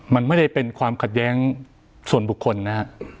มันไม่ได้เป็นความขัดแย้งส่วนบุคคลนะฮะ